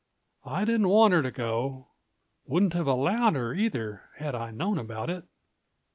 "I didn't want her to go. Wouldn't have allowed her, either, had I known about it."